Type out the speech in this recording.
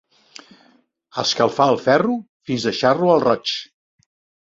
Escalfar el ferro fins deixar-lo al roig.